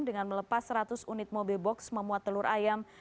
dengan melepas seratus unit mobil box memuat telur ayam